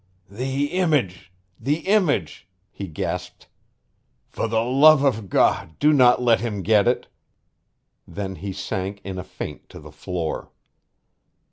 "The image! The image!" he gasped. "For the love of God, do not let him get it." Then he sank in a faint to the floor.